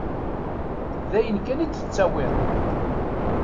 D ayen kan i d-tettawiḍ.